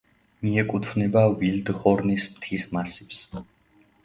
მიეკუთვნება ვილდჰორნის მთის მასივს.